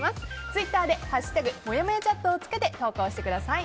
ツイッターで「＃もやもやチャット」をつけて投稿してください。